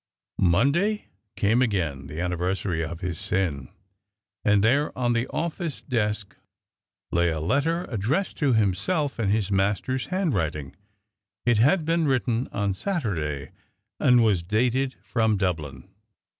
Monday came again, the anniversary of his sin. And there, on the office desk, lay a letter addressed to himself in his master's handwriting. It had been written on Saturday, and was dated from Dublin.